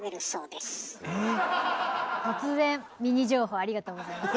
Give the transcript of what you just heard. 突然ミニ情報ありがとうございます。